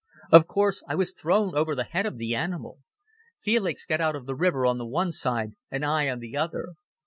Of course, I was thrown over the head of the animal. Felix got out of the river on the one side and I on the other.